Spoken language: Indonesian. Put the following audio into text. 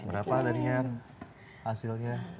berapa tadi ya hasilnya